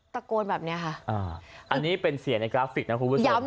ตะโกนแบบนี้ค่ะอันนี้เป็นเสียในกราฟิกนะคุณผู้ชม